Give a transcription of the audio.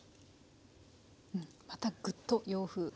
またぐっと洋風。